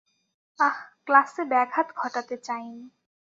আহ, ক্লাসে ব্যাঘাত ঘটাতে চাইনি।